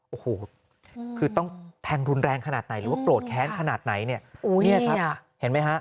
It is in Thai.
โอ้โหคือต้องแทงรุนแรงขนาดไหนหรือว่าโกรธแค้นขนาดไหนเนี่ยครับเห็นไหมฮะ